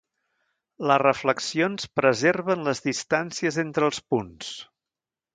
Les reflexions preserven les distàncies entre els punts.